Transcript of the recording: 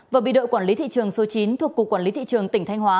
và bị đội quản lý thị trường số chín thuộc cục quản lý thị trường tỉnh thanh hóa